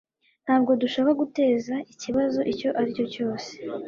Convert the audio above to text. Ntabwo dushaka guteza ikibazo icyo ari cyo cyose